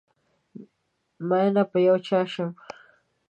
ميېنه په یو چا شم